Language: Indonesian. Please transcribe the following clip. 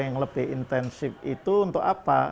yang lebih intensif itu untuk apa